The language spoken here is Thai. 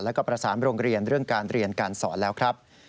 แล้วก็ประสานโรงเรียนเรื่องการเรียนการสอนแล้วครับ